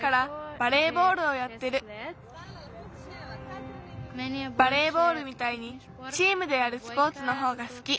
バレーボールみたいにチームでやるスポーツのほうがすき。